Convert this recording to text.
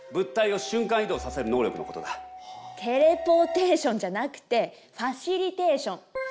テレポーテーションじゃなくてファシリテーション。